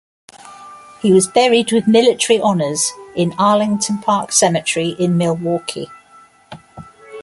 He was buried with military honors in Arlington Park Cemetery in Milwaukee.